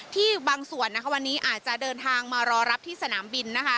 ที่บางส่วนวันนี้อาจจะเดินทางมารอรับที่สนามบิน